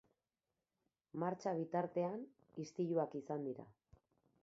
Martxa bitartean, istiluak izan dira dira.